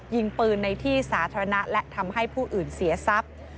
ยิงปืนในที่สาธารณะและทำให้ผู้อื่นเสียทรัพย์